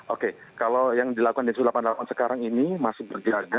oke kalau yang dilakukan di satu ratus delapan puluh delapan sekarang ini masih berjaga